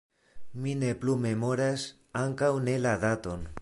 Mi ne plu memoras, ankaŭ ne la daton.